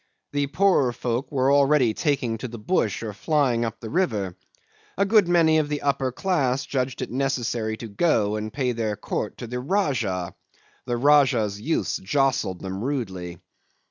The poorer folk were already taking to the bush or flying up the river. A good many of the upper class judged it necessary to go and pay their court to the Rajah. The Rajah's youths jostled them rudely.